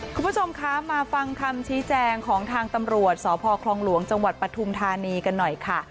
คุณผู้ชมคะมาฟังคำชี้แจงของทางตำรวจสพคลองหลวงจังหวัดปฐุมธานีกันหน่อยค่ะ